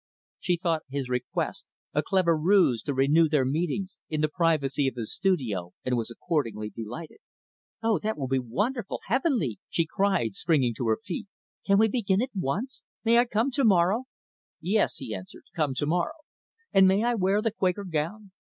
She thought his request a clever ruse to renew their meetings in the privacy of his studio, and was, accordingly delighted. "Oh, that will be wonderful! heavenly!" she cried, springing to her feet. "Can we begin at once? May I come to morrow?" "Yes," he answered, "come to morrow." "And may I wear the Quaker gown?"